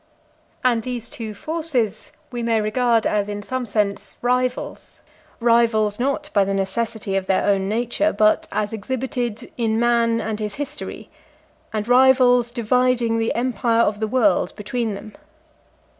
And these two forces we may regard as in some sense rivals, rivals not by the necessity of their own nature, but as exhibited in man and his history, and rivals dividing the empire of the world between them.